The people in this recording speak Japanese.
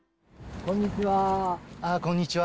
こんにちは。